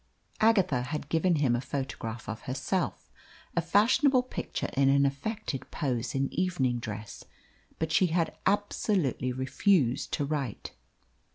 Agatha had given him a photograph of herself a fashionable picture in an affected pose in evening dress but she had absolutely refused to write.